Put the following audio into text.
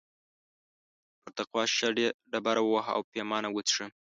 پر تقوا شیشه ډبره ووهه او پیمانه وڅښه.